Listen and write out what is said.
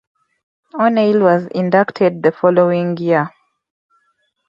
O'Neill was inducted the following year.